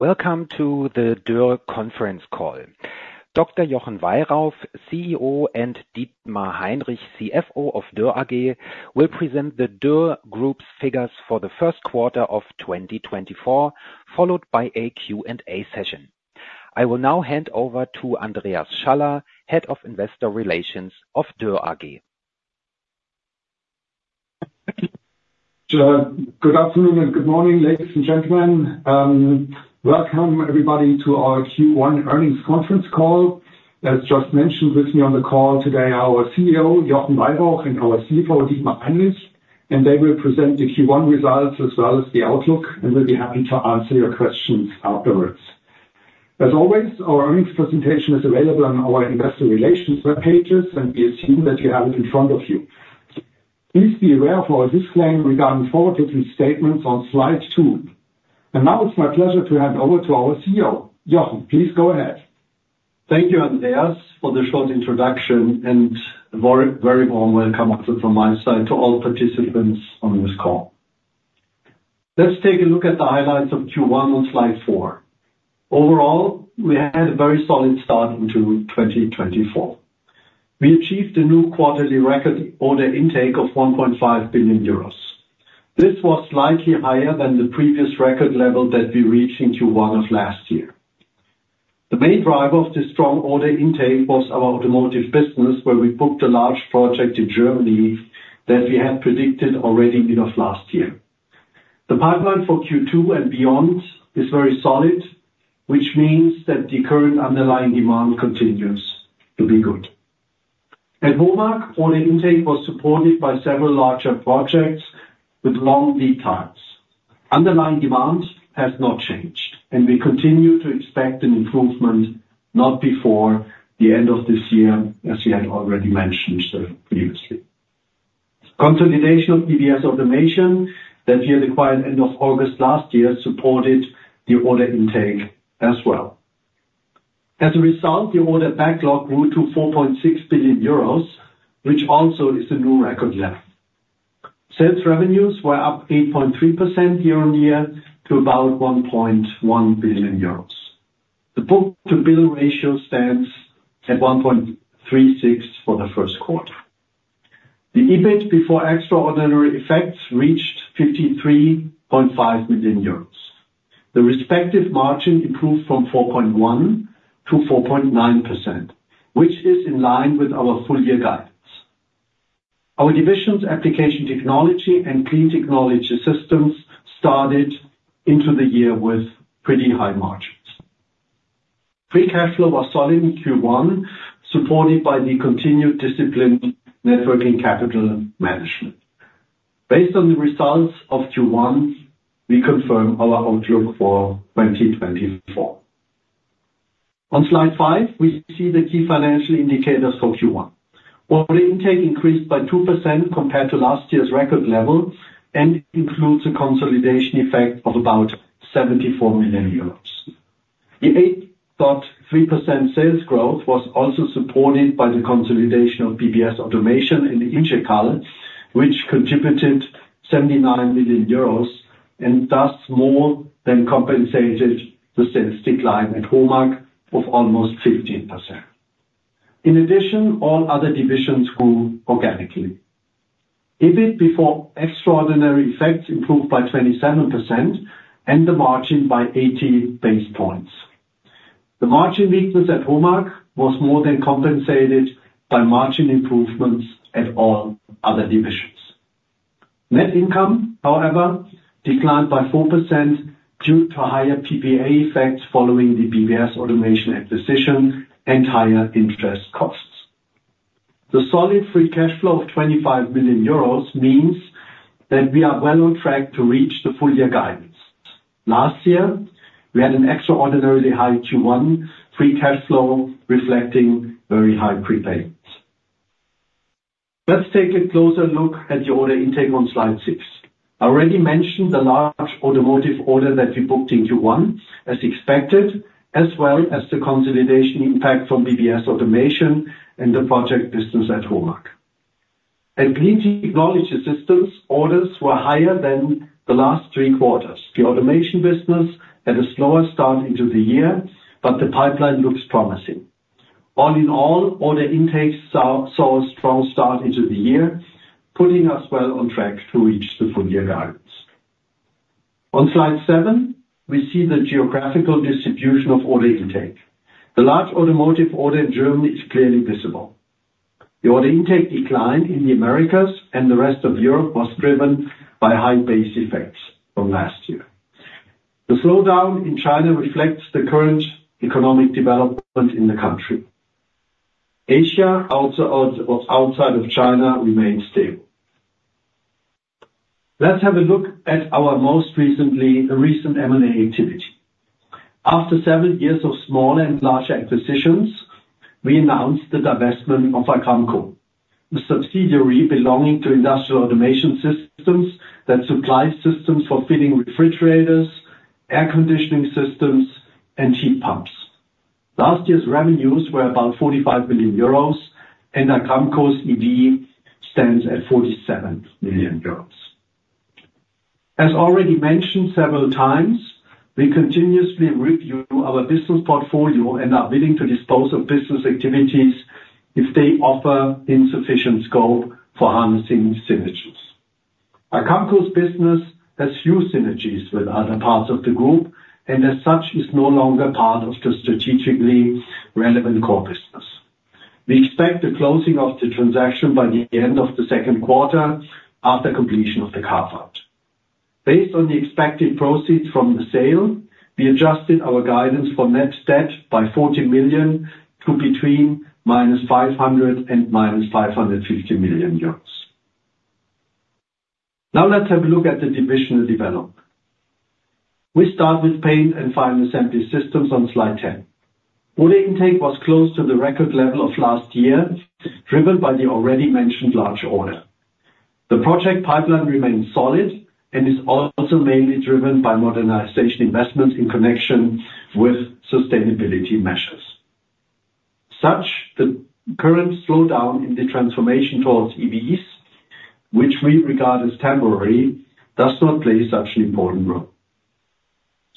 ...Welcome to the Dürr conference call. Dr. Jochen Weyrauch, CEO, and Dietmar Heinrich, CFO of Dürr AG, will present the Dürr Group's figures for the Q1 of 2024, followed by a Q&A session. I will now hand over to Andreas Schaller, Head of Investor Relations of Dürr AG. Good afternoon and good morning, ladies and gentlemen. Welcome, everybody, to our Q1 earnings conference call. As just mentioned, with me on the call today, our CEO, Jochen Weyrauch, and our CFO, Dietmar Heinrich, and they will present the Q1 results as well as the outlook, and we'll be happy to answer your questions afterwards. As always, our earnings presentation is available on our investor relations web pages, and we assume that you have it in front of you. Please be aware of our disclaimer regarding forward-looking statements on slide two. Now it's my pleasure to hand over to our CEO. Jochen, please go ahead. Thank you, Andreas, for the short introduction, and a very, very warm welcome also from my side to all participants on this call. Let's take a look at the highlights of Q1 on slide 4. Overall, we had a very solid start into 2024. We achieved a new quarterly record order intake of 1.5 billion euros. This was slightly higher than the previous record level that we reached in Q1 of last year. The main driver of this strong order intake was our automotive business, where we booked a large project in Germany that we had predicted already end of last year. The pipeline for Q2 and beyond is very solid, which means that the current underlying demand continues to be good. At HOMAG, order intake was supported by several larger projects with long lead times. Underlying demand has not changed, and we continue to expect an improvement not before the end of this year, as we had already mentioned, previously. Consolidation of BBS Automation, that we had acquired end of August last year, supported the order intake as well. As a result, the order backlog grew to 4.6 billion euros, which also is a new record level. Sales revenues were up 8.3% year-on-year to about 1.1 billion euros. The book-to-bill ratio stands at 1.36 for the Q1. The EBIT before extraordinary effects reached 53.5 million euros. The respective margin improved from 4.1% to 4.9%, which is in line with our full-year guidance. Our divisions, Application Technology and Clean Technology Systems, started into the year with pretty high margins. Free cash flow was solid in Q1, supported by the continued disciplined net working capital management. Based on the results of Q1, we confirm our outlook for 2024. On slide 5, we see the key financial indicators for Q1. Order intake increased by 2% compared to last year's record level and includes a consolidation effect of about 74 million euros. The 8.3% sales growth was also supported by the consolidation of BBS Automation and Ingecal, which contributed 79 million euros, and thus more than compensated the sales decline at HOMAG of almost 15%. In addition, all other divisions grew organically. EBIT before extraordinary effects improved by 27% and the margin by 80 basis points. The margin weakness at HOMAG was more than compensated by margin improvements at all other divisions. Net income, however, declined by 4% due to higher PPA effects following the BBS Automation acquisition and higher interest costs. The solid free cash flow of 25 million euros means that we are well on track to reach the full year guidance. Last year, we had an extraordinarily high Q1 free cash flow, reflecting very high prepayments. Let's take a closer look at the order intake on slide 6. I already mentioned the large automotive order that we booked in Q1, as expected, as well as the consolidation impact from BBS Automation and the project business at HOMAG. At Clean Technology Systems, orders were higher than the last three quarters. The automation business had a slower start into the year, but the pipeline looks promising. All in all, order intakes saw a strong start into the year, putting us well on track to reach the full year guidance. On slide 7, we see the geographical distribution of order intake. The large automotive order in Germany is clearly visible. The order intake decline in the Americas and the rest of Europe was driven by high base effects from last year. The slowdown in China reflects the current economic development in the country. Asia, also outside of China, remains stable. Let's have a look at our most recent M&A activity. After seven years of small and large acquisitions, we announced the divestment of Agramkow, a subsidiary belonging to Industrial Automation Systems that supplies systems for fitting refrigerators, air conditioning systems, and heat pumps. Last year's revenues were about 45 billion euros, and Agramkow's EV stands at 47 billion euros. As already mentioned several times, we continuously review our business portfolio and are willing to dispose of business activities if they offer insufficient scope for harnessing synergies. Agramkow's business has few synergies with other parts of the group, and as such, is no longer part of the strategically relevant core business. We expect the closing of the transaction by the end of the Q2 after completion of the carve-out. Based on the expected proceeds from the sale, we adjusted our guidance for net debt by 40 million to between -500 million and -550 million euros. Now let's have a look at the divisional development. We start with Paint and Final Assembly Systems on Slide 10. Order intake was close to the record level of last year, driven by the already mentioned large order. The project pipeline remains solid and is also mainly driven by modernization investments in connection with sustainability measures. Thus, the current slowdown in the transformation towards EVs, which we regard as temporary, does not play such an important role.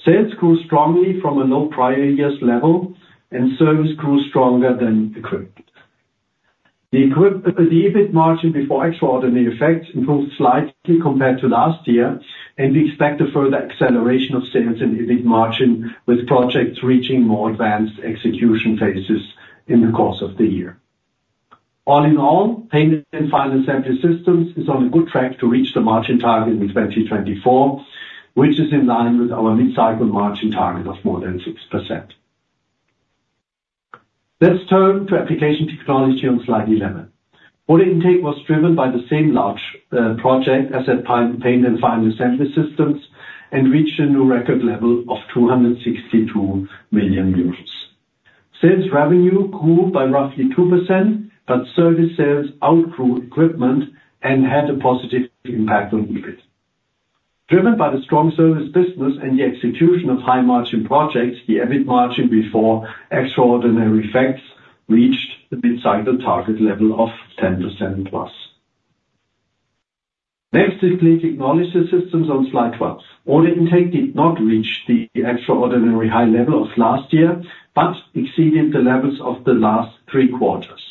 Sales grew strongly from a low prior year's level, and service grew stronger than equipment. The EBIT margin before extraordinary effects improved slightly compared to last year, and we expect a further acceleration of sales and EBIT margin, with projects reaching more advanced execution phases in the course of the year. All in all, Paint and Final Assembly Systems is on a good track to reach the margin target in 2024, which is in line with our mid-cycle margin target of more than 6%. Let's turn to Application Technology on slide 11. Order intake was driven by the same large project as at Paint and Final Assembly Systems, and reached a new record level of 262 million euros. Sales revenue grew by roughly 2%, but service sales outgrew equipment and had a positive impact on EBIT. Driven by the strong service business and the execution of high-margin projects, the EBIT margin before extraordinary effects reached the mid-cycle target level of 10%+. Next is Clean Technology Systems on Slide 12. Order intake did not reach the extraordinary high level of last year, but exceeded the levels of the last three quarters.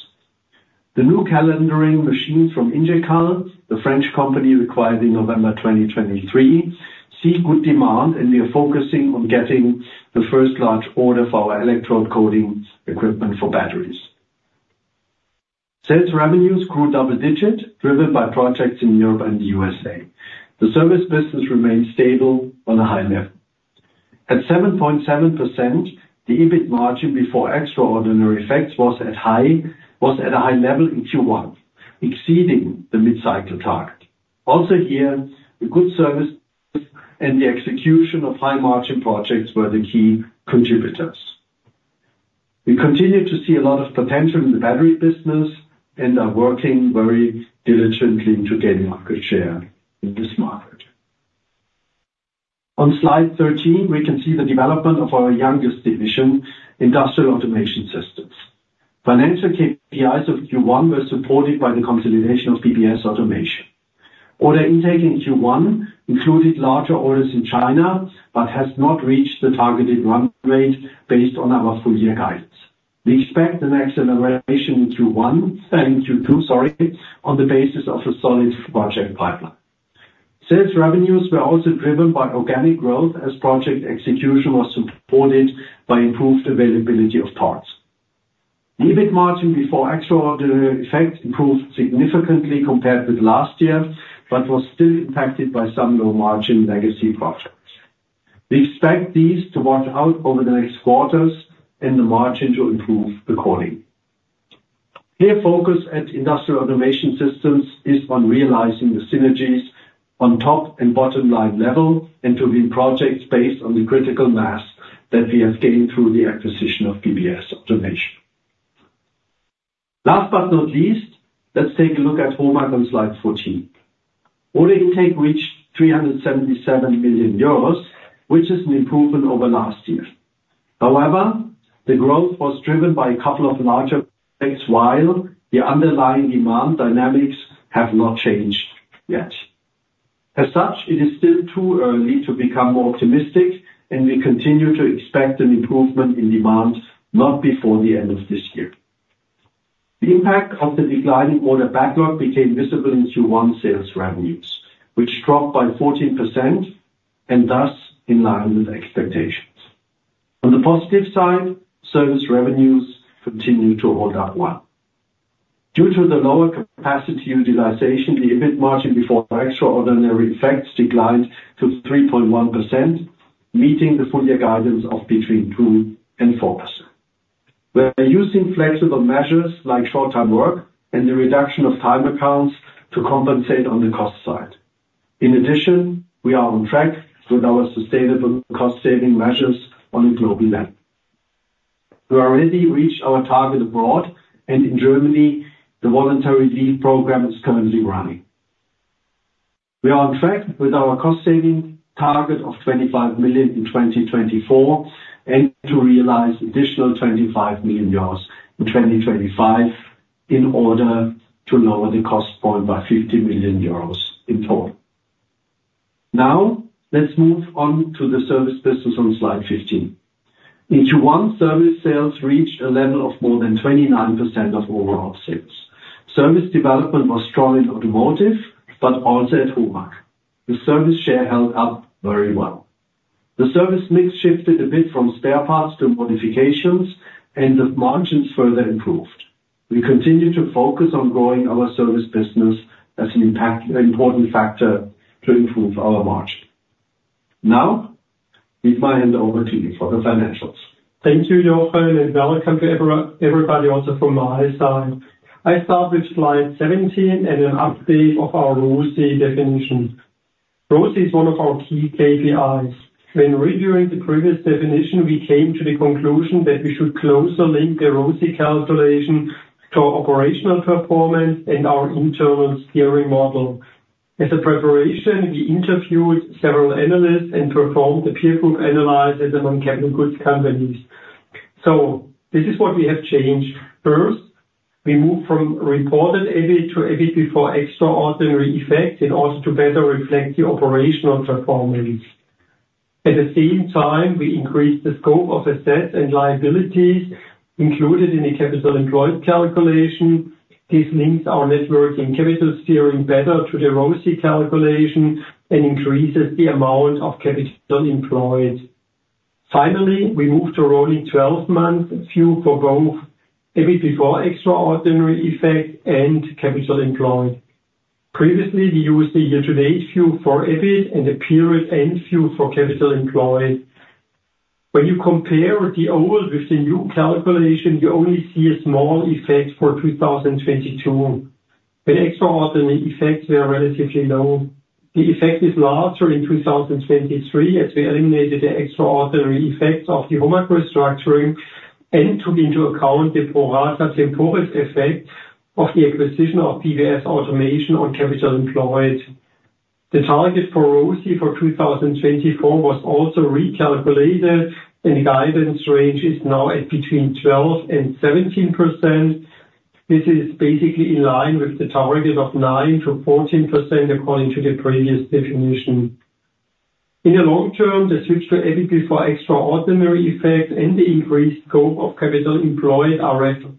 The new calendering machine from Ingecal, the French company acquired in November 2023, sees good demand, and we are focusing on getting the first large order for our electrode coating equipment for batteries. Sales revenues grew double-digit, driven by projects in Europe and the USA. The service business remains stable on a high level. At 7.7%, the EBIT margin before extraordinary effects was at high, was at a high level in Q1, exceeding the mid-cycle target. Also here, the good service and the execution of high-margin projects were the key contributors. We continue to see a lot of potential in the battery business and are working very diligently to gain market share in this market. On Slide 13, we can see the development of our youngest division, Industrial Automation Systems. Financial KPIs of Q1 were supported by the consolidation of BBS Automation. Order intake in Q1 included larger orders in China, but has not reached the targeted run rate based on our full year guidance. We expect an acceleration in Q2 on the basis of a solid project pipeline. Sales revenues were also driven by organic growth as project execution was supported by improved availability of parts. The EBIT margin before extraordinary effects improved significantly compared with last year, but was still impacted by some low-margin legacy projects. We expect these to wash out over the next quarters and the margin to improve accordingly. Here, focus at Industrial Automation Systems is on realizing the synergies on top and bottom line level, and to win projects based on the critical mass that we have gained through the acquisition of BBS Automation. Last but not least, let's take a look at HOMAG on Slide 14. Order intake reached 377 million euros, which is an improvement over last year. However, the growth was driven by a couple of larger projects, while the underlying demand dynamics have not changed yet. As such, it is still too early to become more optimistic, and we continue to expect an improvement in demand not before the end of this year. The impact of the declining order backlog became visible in Q1 sales revenues, which dropped by 14% and thus in line with expectations. On the positive side, service revenues continue to hold up well. Due to the lower capacity utilization, the EBIT margin before extraordinary effects declined to 3.1%, meeting the full year guidance of between 2% and 4%. We are using flexible measures like short-term work and the reduction of time accounts to compensate on the cost side. In addition, we are on track with our sustainable cost-saving measures on a global level. We already reached our target abroad, and in Germany, the voluntary leave program is currently running. We are on track with our cost saving target of 25 million in 2024, and to realize additional 25 million euros in 2025, in order to lower the cost point by 50 million euros in total. Now, let's move on to the service business on slide 15. In Q1, service sales reached a level of more than 29% of overall sales. Service development was strong in automotive, but also at HOMAG. The service share held up very well. The service mix shifted a bit from spare parts to modifications, and the margins further improved. We continue to focus on growing our service business as an impact, an important factor to improve our margin. Now, with my hand over to you for the financials. Thank you, Jochen, and welcome to everybody, also from my side. I start with slide 17 and an update of our ROCE definition. ROCE is one of our key KPIs. When reviewing the previous definition, we came to the conclusion that we should closer link the ROCE calculation to our operational performance and our internal steering model. As a preparation, we interviewed several analysts and performed a peer group analysis among capital goods companies. This is what we have changed. First, we moved from reported EBIT to EBIT before extraordinary effects in order to better reflect the operational performance. At the same time, we increased the scope of assets and liabilities included in the capital employed calculation. This links our net working capital steering better to the ROCE calculation and increases the amount of capital employed. Finally, we moved to a rolling 12-month view for both EBIT before extraordinary effect and capital employed. Previously, we used the year-to-date view for EBIT and the period end view for capital employed. When you compare the old with the new calculation, you only see a small effect for 2022, where extraordinary effects were relatively low. The effect is larger in 2023, as we eliminated the extraordinary effects of the HOMAG restructuring and took into account the pro rata temporis effect of the acquisition of BBS Automation on capital employed. The target for ROCE for 2024 was also recalculated, and the guidance range is now at between 12% and 17%. This is basically in line with the target of 9%-14%, according to the previous definition. In the long term, the switch to EBIT before extraordinary effects and the increased scope of capital employed are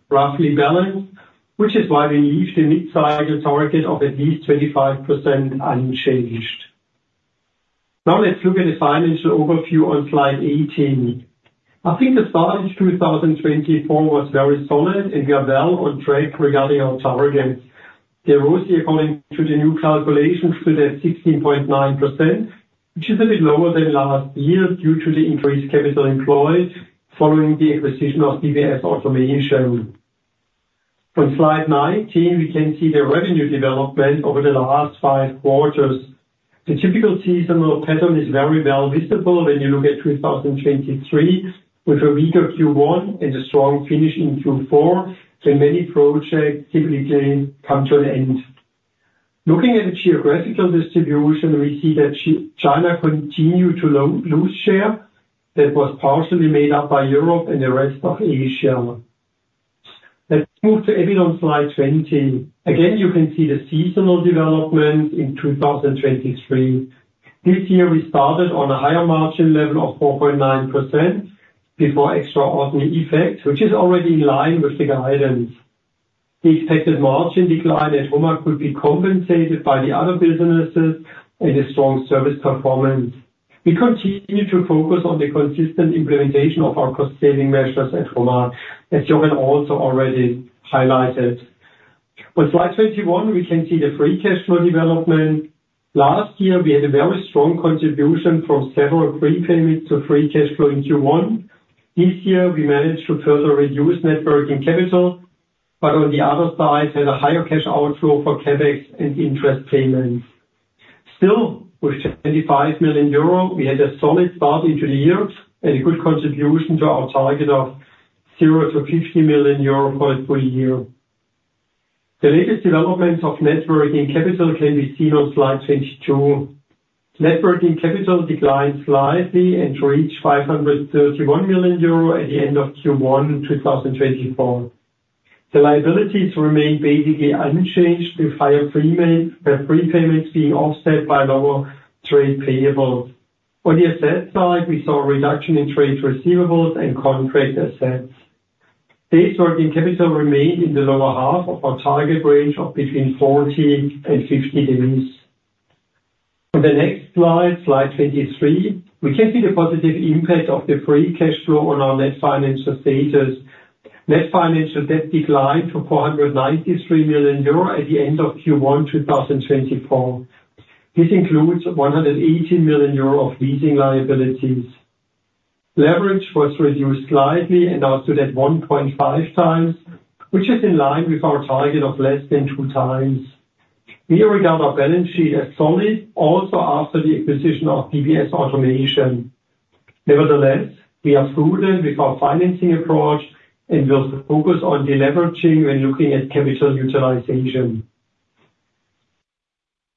roughly balanced, which is why we leave the mid-cycle target of at least 25% unchanged. Now, let's look at the financial overview on slide 18. I think the start in 2024 was very solid, and we are well on track regarding our targets. The ROCE, according to the new calculations, stood at 16.9%, which is a bit lower than last year due to the increased capital employed following the acquisition of BBS Automation. On slide 19, we can see the revenue development over the last 5 quarters. The typical seasonal pattern is very well visible when you look at 2023, with a weaker Q1 and a strong finish in Q4, when many projects typically come to an end. Looking at the geographical distribution, we see that China continued to lose share. That was partially made up by Europe and the rest of Asia. Let's move to EBIT on slide 20. Again, you can see the seasonal development in 2023. This year, we started on a higher margin level of 4.9% before extraordinary effects, which is already in line with the guidance. The expected margin decline at HOMAG could be compensated by the other businesses and a strong service performance. We continue to focus on the consistent implementation of our cost saving measures at HOMAG, as Jochen also already highlighted. On slide 21, we can see the free cash flow development. Last year, we had a very strong contribution from several prepayments to free cash flow in Q1. This year, we managed to further reduce net working capital, but on the other side, had a higher cash outflow for CapEx and interest payments. Still, with 25 million euro, we had a solid start into the year and a good contribution to our target of 0 million-50 million euro for the full year. The latest development of net working capital can be seen on slide 22. Net working capital declined slightly and to reach 531 million euro at the end of Q1 in 2024. The liabilities remained basically unchanged, with higher prepayments, with prepayments being offset by lower trade payables. On the asset side, we saw a reduction in trade receivables and contract assets. Days working capital remained in the lower half of our target range of between 40 and 50 days. On the next slide, slide 23, we can see the positive impact of the free cash flow on our net financial status. Net financial debt declined to 493 million euro at the end of Q1 2024. This includes 180 million euro of leasing liabilities. Leverage was reduced slightly and now stood at 1.5 times, which is in line with our target of less than 2 times. We regard our balance sheet as solid, also after the acquisition of BBS Automation.... Nevertheless, we are prudent with our financing approach, and we'll focus on deleveraging when looking at capital utilization.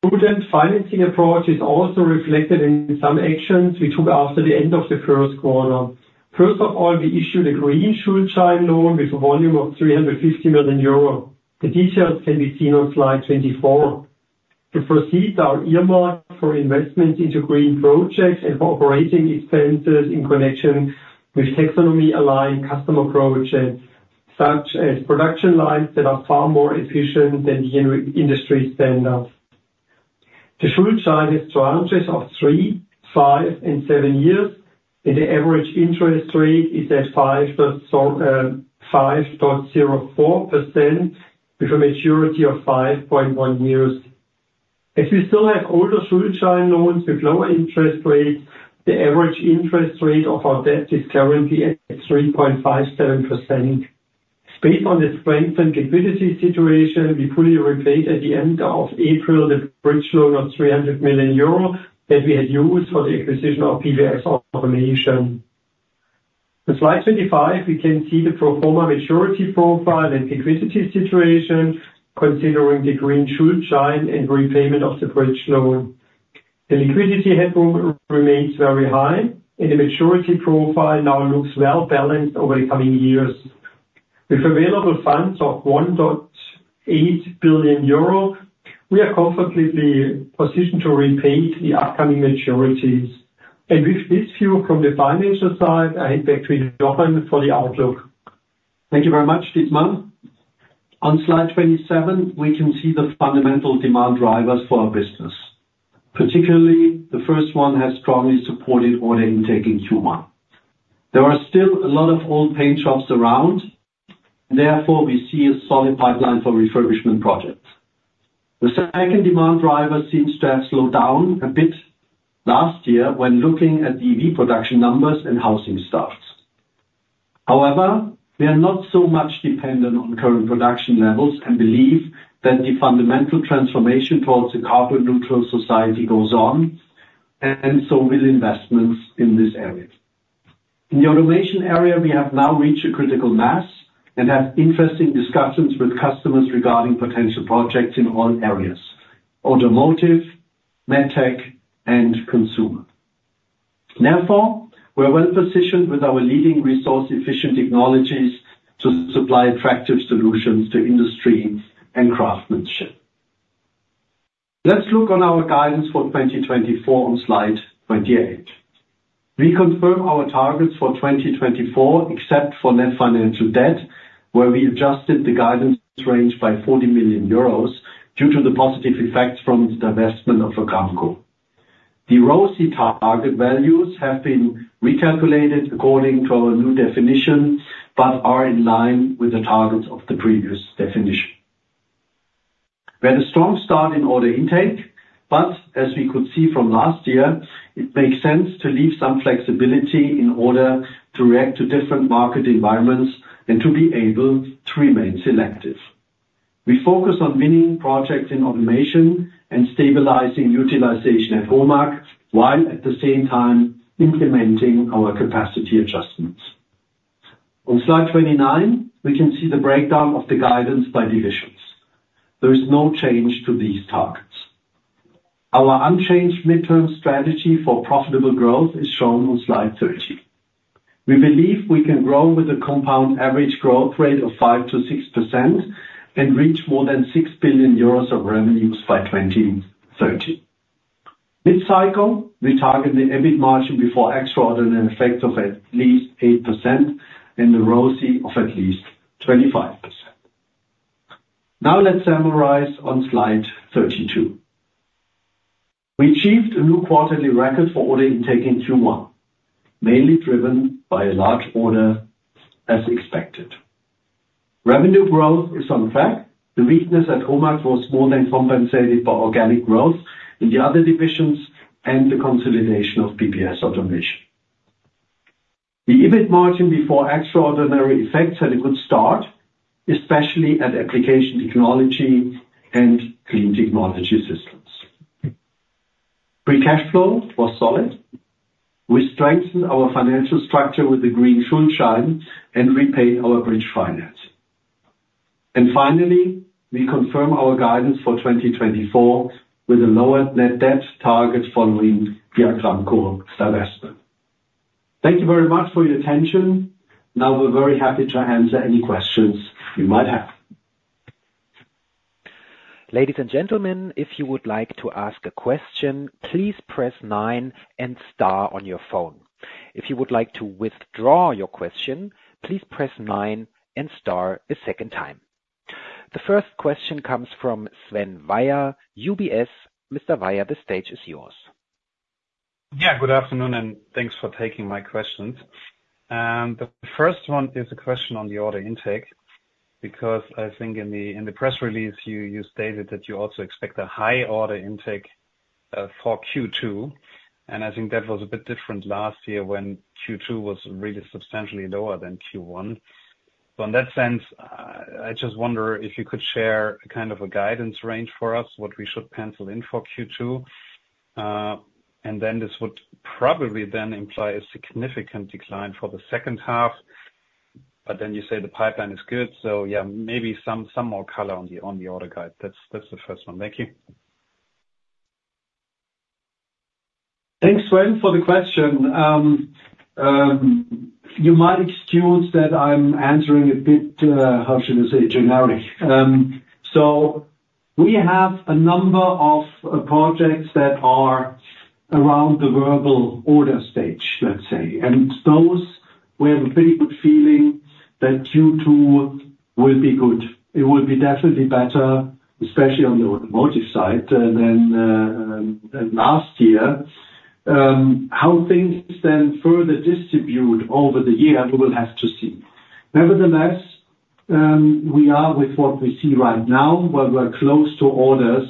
Prudent financing approach is also reflected in some actions we took after the end of the Q1. First of all, we issued a Green Schuldschein loan with a volume of 350 million euro. The details can be seen on slide 24. The proceeds are earmarked for investments into green projects and for operating expenses in connection with taxonomy-aligned customer projects, such as production lines that are far more efficient than the industry standard. The Schuldschein has tranches of 3, 5, and 7 years, and the average interest rate is at 5.04%, with a maturity of 5.1 years. As we still have older Schuldschein loans with lower interest rates, the average interest rate of our debt is currently at 3.57%. Based on the strength and liquidity situation, we fully repaid at the end of April the bridge loan of 300 million euro that we had used for the acquisition of BBS Automation. On slide 25, we can see the pro forma maturity profile and liquidity situation, considering the Green Schuldschein and repayment of the bridge loan. The liquidity headroom remains very high, and the maturity profile now looks well balanced over the coming years. With available funds of 1.8 billion euro, we are confidently positioned to repay the upcoming maturities. With this view from the financial side, I hand back to Jochen for the outlook. Thank you very much, Dietmar. On slide 27, we can see the fundamental demand drivers for our business. Particularly, the first one has strongly supported order intake in Q1. There are still a lot of old paint shops around, therefore, we see a solid pipeline for refurbishment projects. The second demand driver seems to have slowed down a bit last year when looking at EV production numbers and housing starts. However, we are not so much dependent on current production levels and believe that the fundamental transformation towards a carbon neutral society goes on, and so with investments in this area. In the automation area, we have now reached a critical mass and have interesting discussions with customers regarding potential projects in all areas: automotive, MedTech, and consumer. Therefore, we are well positioned with our leading resource-efficient technologies to supply attractive solutions to industry and craftsmanship. Let's look on our guidance for 2024 on slide 28. We confirm our targets for 2024, except for net financial debt, where we adjusted the guidance range by 40 million euros, due to the positive effects from the divestment of Agramkow. The ROCE target values have been recalculated according to our new definition, but are in line with the targets of the previous definition. We had a strong start in order intake, but as we could see from last year, it makes sense to leave some flexibility in order to react to different market environments and to be able to remain selective. We focus on winning projects in automation and stabilizing utilization at HOMAG, while at the same time implementing our capacity adjustments. On slide 29, we can see the breakdown of the guidance by divisions. There is no change to these targets. Our unchanged midterm strategy for profitable growth is shown on slide 30. We believe we can grow with a compound average growth rate of 5%-6% and reach more than 6 billion euros of revenues by 2030. This cycle, we target the EBIT margin before extraordinary effects of at least 8% and the ROCE of at least 25%. Now, let's summarize on slide 32. We achieved a new quarterly record for order intake in Q1, mainly driven by a large order as expected. Revenue growth is on track. The weakness at HOMAG was more than compensated by organic growth in the other divisions and the consolidation of BBS Automation. The EBIT margin before extraordinary effects had a good start, especially at Application Technology and Clean Technology Systems. Free cash flow was solid. We strengthened our financial structure with the green Schuldschein and repaid our bridge finance. Finally, we confirm our guidance for 2024 with a lower net debt target following the Agramkow divestment. Thank you very much for your attention. Now, we're very happy to answer any questions you might have. Ladies and gentlemen, if you would like to ask a question, please press nine and star on your phone. If you would like to withdraw your question, please press nine and star a second time. The first question comes from Sven Weier, UBS. Mr. Weier, the stage is yours. Yeah, good afternoon, and thanks for taking my questions. The first one is a question on the order intake, because I think in the press release, you stated that you also expect a high order intake for Q2, and I think that was a bit different last year when Q2 was really substantially lower than Q1. So in that sense, I just wonder if you could share kind of a guidance range for us, what we should pencil in for Q2. And then this would probably then imply a significant decline for the H2. But then you say the pipeline is good, so yeah, maybe some more color on the order guide. That's the first one. Thank you. Thanks, Sven, for the question. You might excuse that I'm answering a bit, how should I say, generic. So we have a number of projects that are around the verbal order stage, let's say, and those we have a very good feeling that Q2 will be good. It will be definitely better, especially on the automotive side, than last year. How things then further distribute over the year, we will have to see. Nevertheless, we are with what we see right now, but we're close to orders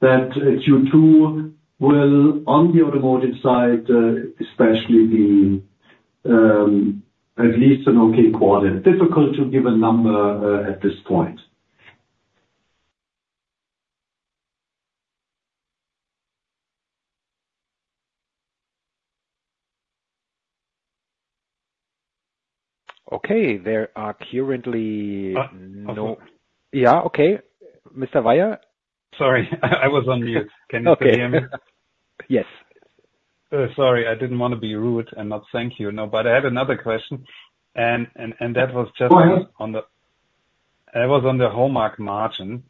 that Q2 will, on the automotive side, especially be, at least an okay quarter. Difficult to give a number, at this point. Okay, there are currently no- Uh. Yeah, okay. Mr. Weyrauch? Sorry, I was on mute. Okay. Can you hear me? Yes. Sorry, I didn't want to be rude and not thank you. No, but I had another question, and that was just- Go ahead... on the, that was on the HOMAG margin,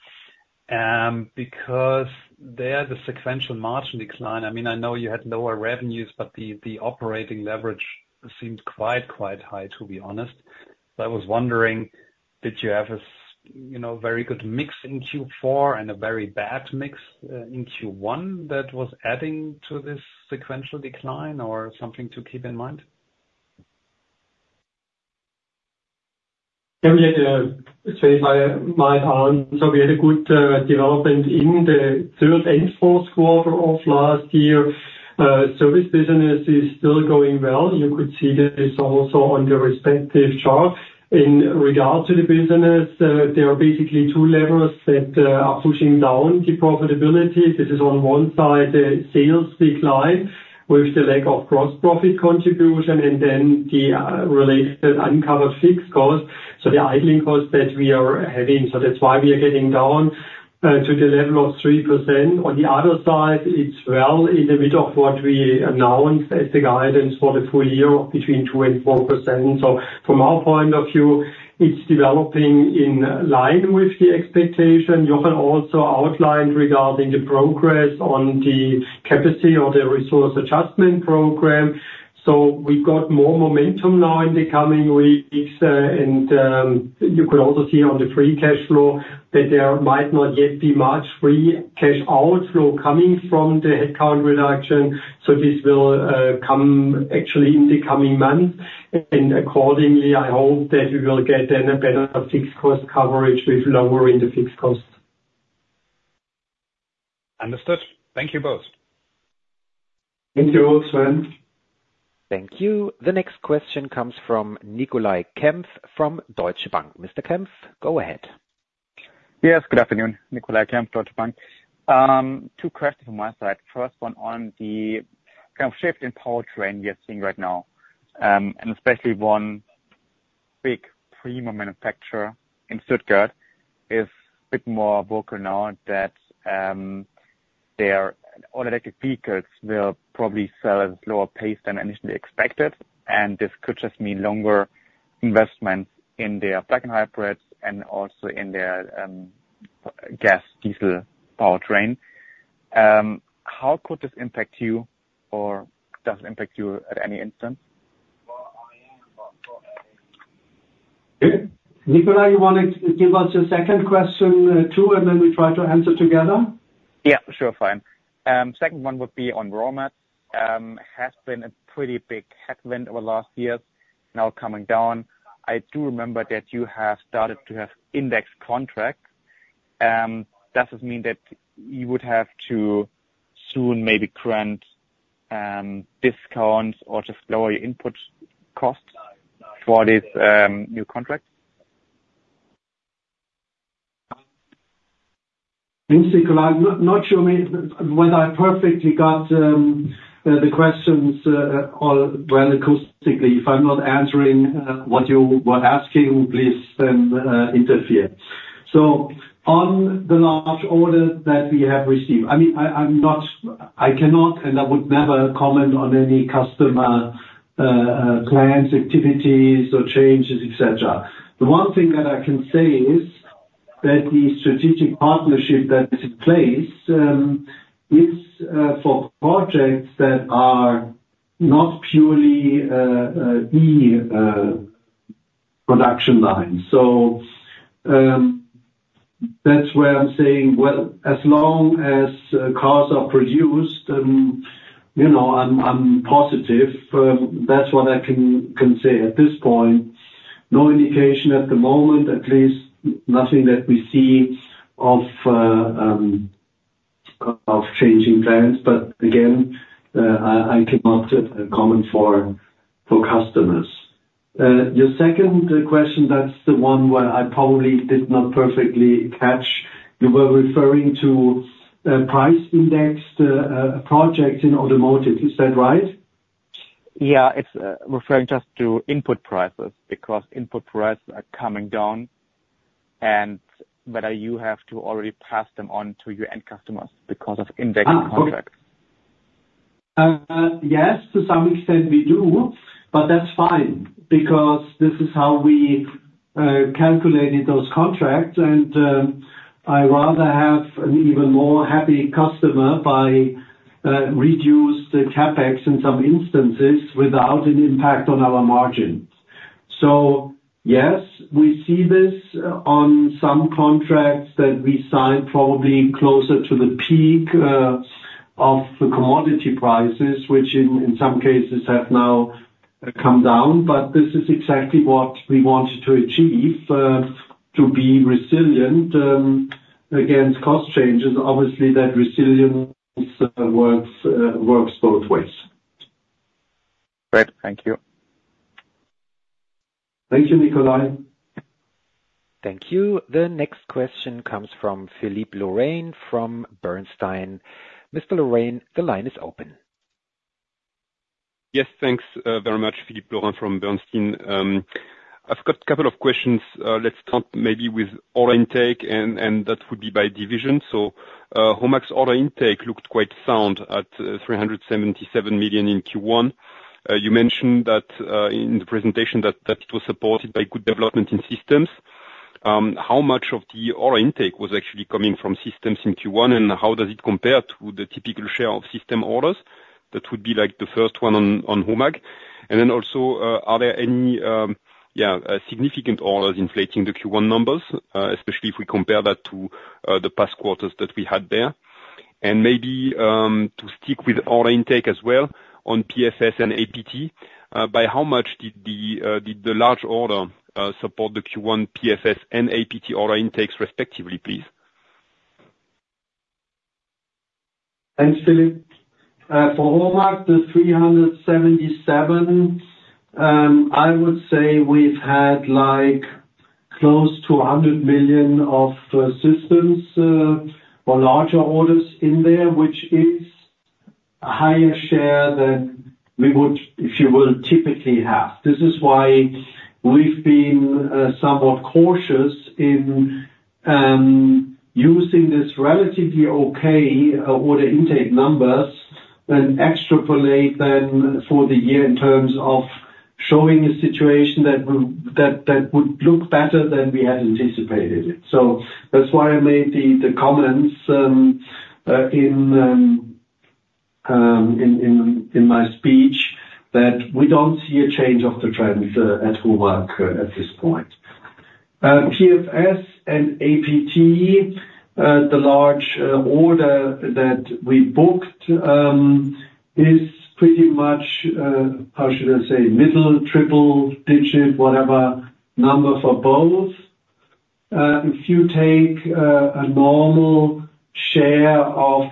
because there, the sequential margin decline, I mean, I know you had lower revenues, but the operating leverage seemed quite, quite high, to be honest. So I was wondering, did you have a, you know, very good mix in Q4 and a very bad mix in Q1 that was adding to this sequential decline or something to keep in mind? Yeah, we had a good development in the third and Q4 of last year. Service business is still going well. You could see that it's also on the respective chart. In regard to the business, there are basically two levels that are pushing down the profitability. This is on one side, the sales decline, with the lack of gross profit contribution, and then the related uncovered fixed cost, so the idling cost that we are having. So that's why we are getting down to the level of 3%. On the other side, it's well in the middle of what we announced as the guidance for the full year, between 2% and 4%. So from our point of view, it's developing in line with the expectation. Jochen also outlined regarding the progress on the capacity or the resource adjustment program. We've got more momentum now in the coming weeks, and you could also see on the free cash flow that there might not yet be much free cash outflow coming from the headcount reduction. This will come actually in the coming months, and accordingly, I hope that we will get then a better fixed cost coverage with lower in the fixed costs. Understood. Thank you both. Thank you, Sven. Thank you. The next question comes from Nicolai Kempf, from Deutsche Bank. Mr. Kempf, go ahead. Yes, good afternoon, Nicolai Kempf, Deutsche Bank. Two questions from my side. First one on the kind of shift in powertrain we are seeing right now, and especially one big premium manufacturer in Stuttgart, is a bit more vocal now that their all electric vehicles will probably sell at lower pace than initially expected, and this could just mean longer investment in their plug-in hybrids and also in their gas, diesel powertrain. How could this impact you, or does it impact you at any instance? Nicolai, you want to give us a second question, too, and then we try to answer together? Yeah, sure, fine. Second one would be on raw mat. Has been a pretty big headwind over last years, now coming down. I do remember that you have started to have index contract. Does this mean that you would have to soon maybe grant discounts or just lower your input costs for this new contract? Thanks, Nicolai. Not sure me whether I perfectly got the questions all well, acoustically. If I'm not answering what you were asking, please interrupt. So on the large order that we have received, I mean, I cannot, and I would never comment on any customers or clients' activities or changes, et cetera. The one thing that I can say is that the strategic partnership that is in place is for projects that are not purely production lines. So, that's where I'm saying, well, as long as cars are produced, then you know, I'm positive. That's what I can say. At this point, no indication at the moment, at least nothing that we see of. of changing trends, but again, I cannot set a common for customers. Your second question, that's the one where I probably did not perfectly catch. You were referring to price indexed project in automotive, is that right? Yeah, it's referring just to input prices, because input prices are coming down, and whether you have to already pass them on to your end customers because of indexed contracts. Ah, okay. Yes, to some extent we do, but that's fine, because this is how we calculated those contracts, and I rather have an even more happy customer by reduce the CapEx in some instances, without an impact on our margins. So yes, we see this on some contracts that we signed, probably closer to the peak of the commodity prices, which in some cases have now come down. But this is exactly what we wanted to achieve to be resilient against cost changes. Obviously, that resilience works both ways. Great, thank you. Thank you, Nicolai. Thank you. The next question comes from Philippe Lorrain from Bernstein. Mr. Lorrain, the line is open. Yes, thanks, very much. Philippe Lorrain from Bernstein. I've got a couple of questions. Let's start maybe with order intake, and that would be by division. So, HOMAG order intake looked quite sound at 377 million in Q1. You mentioned that in the presentation, that it was supported by good development in systems. How much of the order intake was actually coming from systems in Q1, and how does it compare to the typical share of system orders? That would be, like, the first one on HOMAG. And then also, are there any significant orders inflating the Q1 numbers, especially if we compare that to the past quarters that we had there? Maybe, to stick with order intake as well, on PFS and APT, by how much did the large order support the Q1 PFS and APT order intakes respectively, please? Thanks, Philippe. For HOMAG, the 377, I would say we've had, like, close to 100 million of systems or larger orders in there, which is a higher share than we would, if you will, typically have. This is why we've been somewhat cautious in using this relatively okay order intake numbers, and extrapolate them for the year in terms of showing a situation that would look better than we had anticipated. So that's why I made the comments in my speech, that we don't see a change of the trends at HOMAG at this point. PFS and APT, the large order that we booked, is pretty much, how should I say? Mid triple-digit, whatever number for both. If you take a normal share of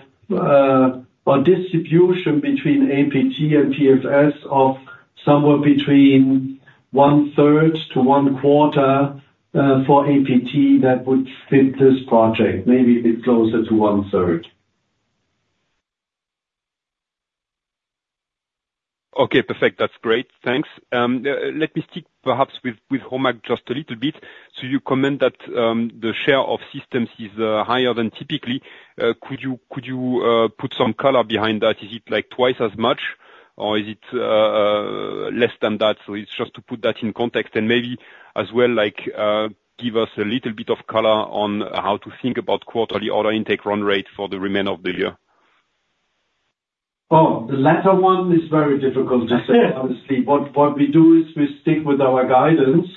a distribution between APT and PFS of somewhere between one third to one quarter for APT, that would fit this project, maybe a bit closer to one third. Okay, perfect. That's great, thanks. Let me stick perhaps with, with HOMAG just a little bit. So you comment that, the share of systems is, higher than typically. Could you, could you, put some color behind that? Is it, like, twice as much, or is it, less than that? So it's just to put that in context, and maybe as well, like, give us a little bit of color on how to think about quarterly order intake run rate for the remainder of the year. Oh, the latter one is very difficult to say, obviously. What we do is we stick with our guidance.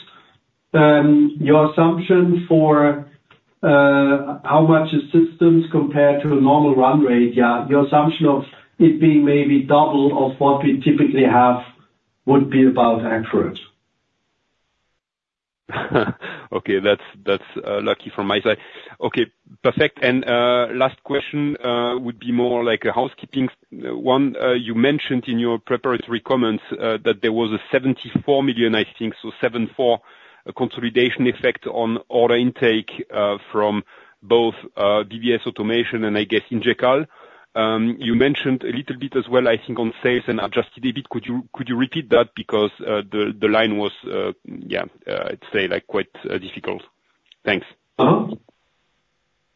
Your assumption for how much is systems compared to a normal run rate, yeah, your assumption of it being maybe double of what we typically have, would be about accurate. Okay, that's lucky from my side. Okay, perfect. And, last question, would be more like a housekeeping one. You mentioned in your preparatory comments that there was a 74 million, I think, so seven four, consolidation effect on order intake from both, BBS Automation and I guess Ingecal. You mentioned a little bit as well, I think, on sales and adjusted EBIT, could you, could you repeat that? Because, the line was, yeah, I'd say, like, quite difficult. Thanks. Uh-huh.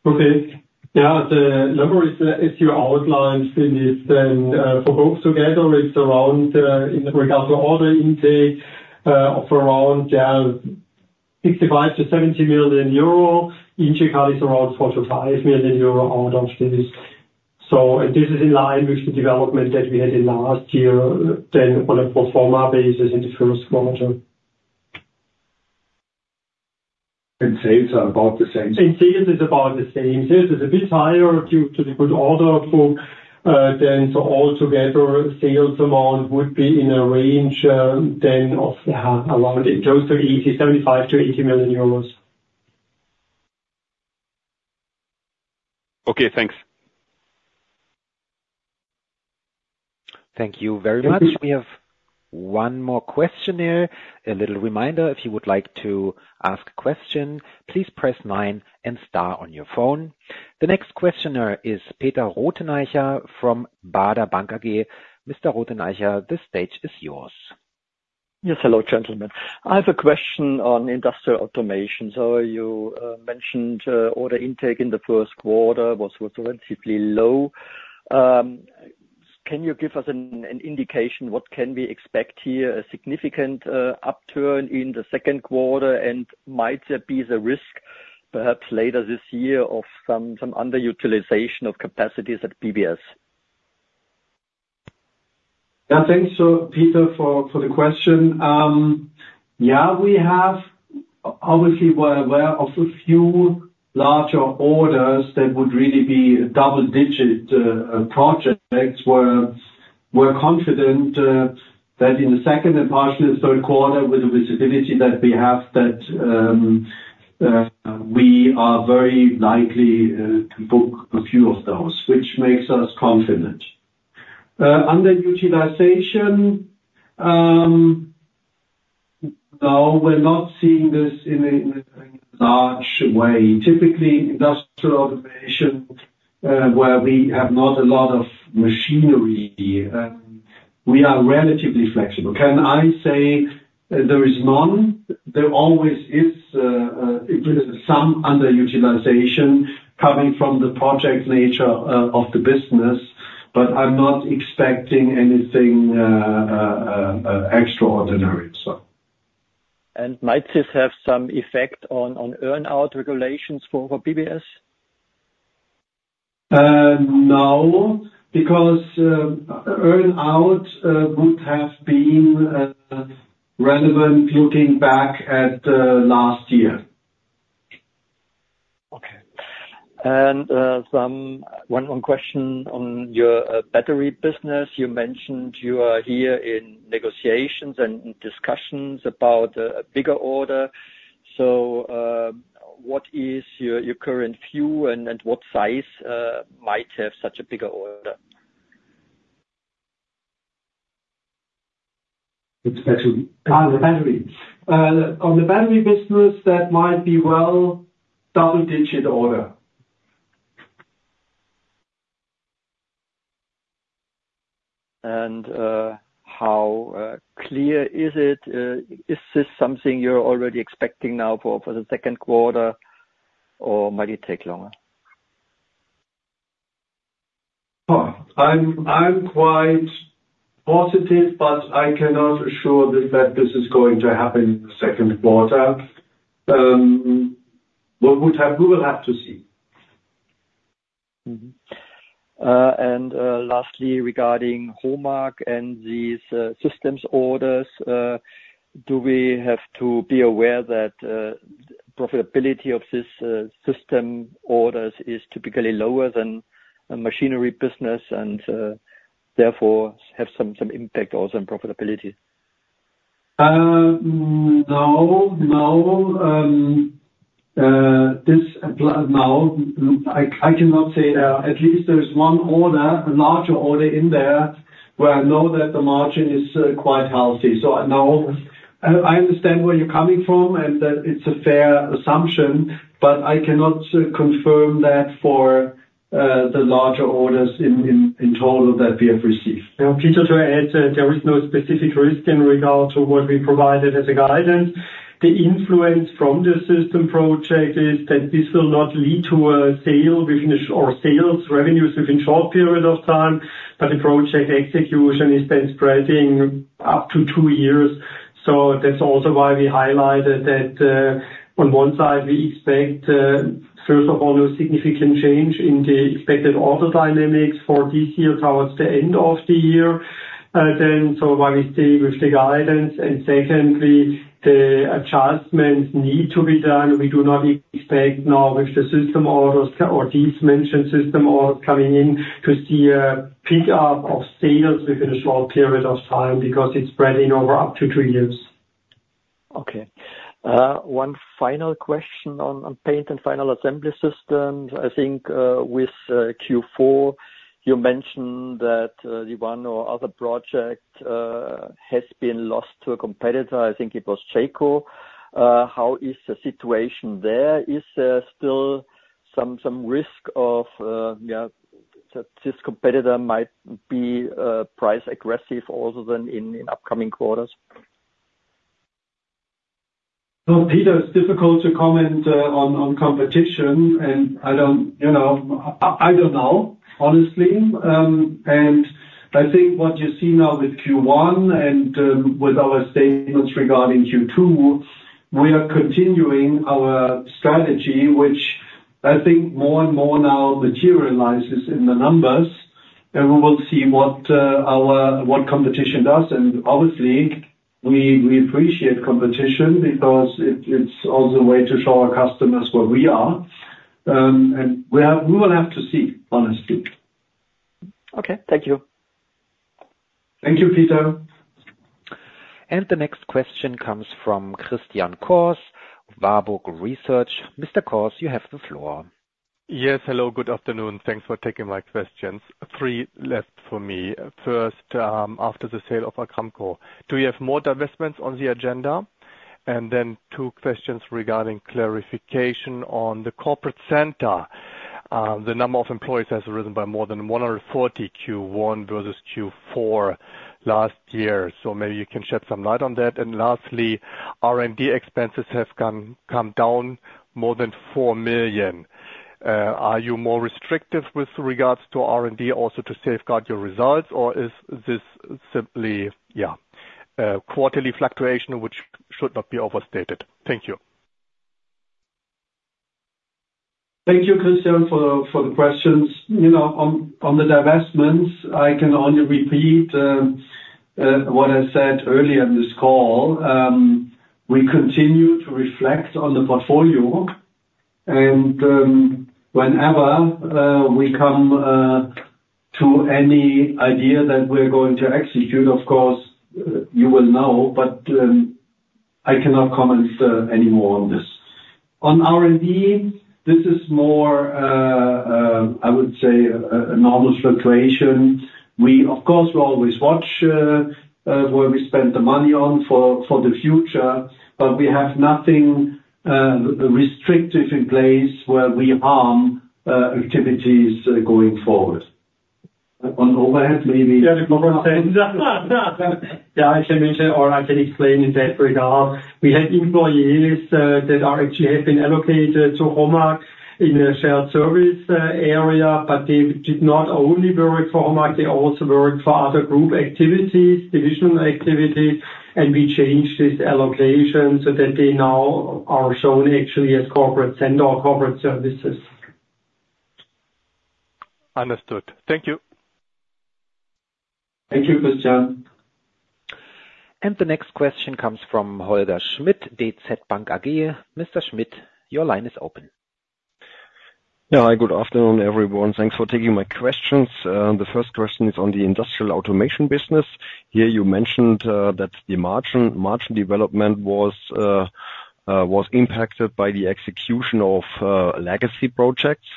Okay. Yeah, the number is, as you outlined, Philippe, then, for both together, it's around, in regard to order intake, of around, 65-70 million euro. Ingecal is around 4-5 million euro out of this. So and this is in line with the development that we had in last year, than on a pro forma basis in the Q1. Sales are about the same? Sales is about the same. Sales is a bit higher due to the good order book than for all together. Sales amount would be in a range of around close to 80, EUR 75 million-EUR 80 million.... Okay, thanks. Thank you very much. We have one more question there. A little reminder, if you would like to ask a question, please press nine and star on your phone. The next questioner is Peter Rotheneicher from Baader Bank AG. Mr. Rotheneicher, the stage is yours. Yes. Hello, gentlemen. I have a question on industrial automation. So you mentioned order intake in the Q1 was relatively low. Can you give us an indication, what can we expect here, a significant upturn in the Q2? And might there be the risk, perhaps later this year, of some underutilization of capacities at BBS? Yeah, thanks, so Peter, for the question. Yeah, we have obviously, we're aware of a few larger orders that would really be double digit projects, where we're confident that in the second and partially Q3, with the visibility that we have, that we are very likely to book a few of those, which makes us confident. Underutilization, now we're not seeing this in a large way. Typically, industrial automation, where we have not a lot of machinery, we are relatively flexible. Can I say there is none? There always is some underutilization coming from the project nature of the business, but I'm not expecting anything extraordinary, so. Might this have some effect on earn-out regulations for BBS? No, because earn-out would have been relevant looking back at last year. Okay. And one question on your battery business. You mentioned you are here in negotiations and discussions about a bigger order. So, what is your current view, and what size might such a bigger order have? It's actually on the battery. On the battery business, that might be, well, double digit order. How clear is it? Is this something you're already expecting now for the Q2, or might it take longer? Oh, I'm quite positive, but I cannot assure that this is going to happen in the Q2. But we will have to see. Mm-hmm. Lastly, regarding Hallmark and these systems orders, do we have to be aware that profitability of this system orders is typically lower than a machinery business and therefore have some, some impact also on profitability? No, no. This applies now, I cannot say. At least there is one order, a larger order in there, where I know that the margin is quite healthy. So now, I understand where you're coming from and that it's a fair assumption, but I cannot confirm that for the larger orders in total that we have received. Now, Peter, to add, there is no specific risk in regards to what we provided as a guidance. The influence from the system project is that this will not lead to a sale within or sales revenues within short period of time, but the project execution is then spreading up to two years. So that's also why we highlighted that, on one side, we expect, first of all, no significant change in the expected order dynamics for this year towards the end of the year. Then, so while we stay with the guidance, and secondly, the adjustments need to be done. We do not expect now with the system orders or these mentioned system orders coming in, to see a pick up of sales within a short period of time, because it's spreading over up to three years. Okay. One final question on paint and final assembly systems. I think with Q4, you mentioned that the one or other project has been lost to a competitor. I think it was Geico. How is the situation there? Is there still some risk that this competitor might be price aggressive also then in upcoming quarters? So Peter, it's difficult to comment on competition, and I don't, you know, I don't know, honestly. I think what you see now with Q1 and with our statements regarding Q2, we are continuing our strategy, which I think more and more now materializes in the numbers. We will see what competition does. Obviously, we appreciate competition because it's also a way to show our customers where we are. We will have to see, honestly. Okay, thank you.... Thank you, Peter. The next question comes from Christian Cohrs, Warburg Research. Mr. Cohrs, you have the floor. Yes. Hello, good afternoon. Thanks for taking my questions. 3 left for me. First, after the sale of Agramkow, do you have more divestments on the agenda? And then two questions regarding clarification on the corporate center. The number of employees has risen by more than 140 Q1 versus Q4 last year. So maybe you can shed some light on that. And lastly, R&D expenses have come down more than 4 million. Are you more restrictive with regards to R&D, also to safeguard your results? Or is this simply, yeah, a quarterly fluctuation, which should not be overstated? Thank you. Thank you, Christian, for the questions. You know, on the divestments, I can only repeat what I said earlier in this call. We continue to reflect on the portfolio, and whenever we come to any idea that we're going to execute, of course, you will know. But I cannot comment any more on this. On R&D, this is more I would say a normal fluctuation. We, of course, we always watch where we spend the money on for the future, but we have nothing restrictive in place where we harm activities going forward. On overhead, maybe- Yeah, I can mention or I can explain in that regard. We had employees that are actually have been allocated to HOMAG in a shared service area, but they did not only work for HOMAG, they also worked for other group activities, divisional activities. We changed this allocation so that they now are shown actually as corporate center or corporate services. Understood. Thank you. Thank you, Christian. The next question comes from Holger Schmidt, DZ Bank AG. Mr. Schmidt, your line is open. Yeah. Hi, good afternoon, everyone. Thanks for taking my questions. The first question is on the industrial automation business. Here, you mentioned that the margin development was impacted by the execution of legacy projects.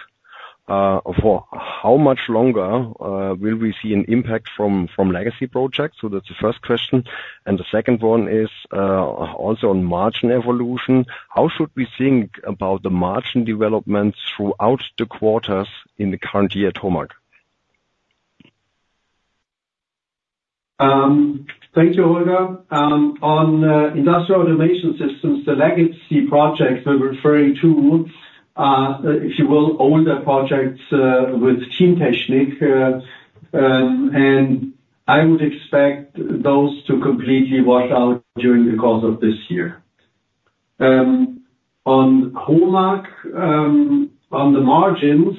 For how much longer will we see an impact from legacy projects? So that's the first question. And the second one is also on margin evolution. How should we think about the margin developments throughout the quarters in the current year at HOMAG? Thank you, Holger. On industrial automation systems, the legacy projects we're referring to, if you will, older projects, with Teamtechnik, and I would expect those to completely wash out during the course of this year. On HOMAG, on the margins,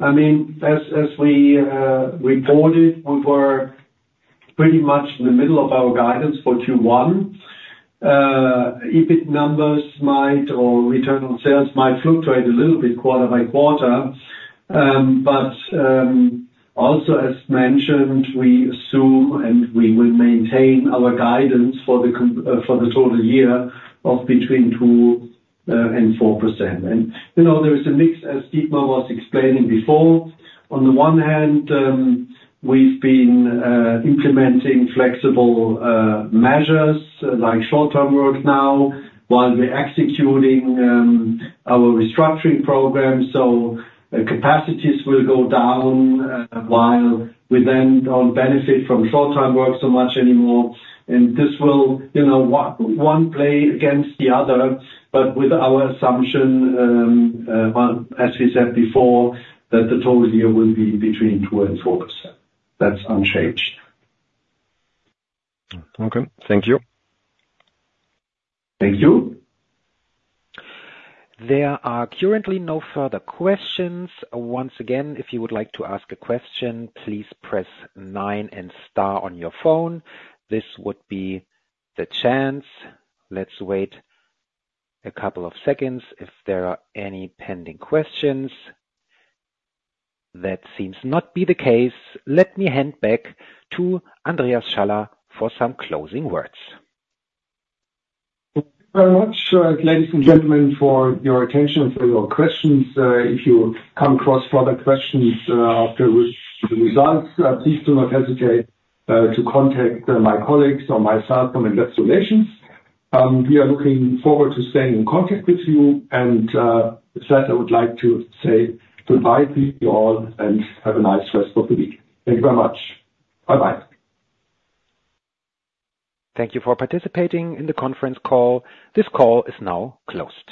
I mean, as we reported, we were pretty much in the middle of our guidance for Q1. EBIT numbers might, or return on sales, might fluctuate a little bit quarter by quarter. But also, as mentioned, we assume and we will maintain our guidance for the total year of between 2% and 4%. And, you know, there is a mix, as Dietmar was explaining before. On the one hand, we've been implementing flexible measures, like short-term work now, while we're executing our restructuring program. So capacities will go down, while we then don't benefit from short-term work so much anymore. And this will, you know, one play against the other, but with our assumption, as we said before, that the total year will be between 2% and 4%. That's unchanged. Okay. Thank you. Thank you. There are currently no further questions. Once again, if you would like to ask a question, please press nine and star on your phone. This would be the chance. Let's wait a couple of seconds if there are any pending questions. That seems not to be the case. Let me hand back to Andreas Schaller for some closing words. Thank you very much, ladies and gentlemen, for your attention and for your questions. If you come across further questions, after we release the results, please do not hesitate, to contact, my colleagues or myself from Investor Relations. We are looking forward to staying in contact with you, and, with that, I would like to say goodbye to you all, and have a nice rest of the week. Thank you very much. Bye-bye. Thank you for participating in the conference call. This call is now closed.